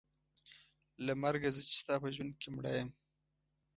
له مرګه زه چې ستا په ژوند کې مړه یم.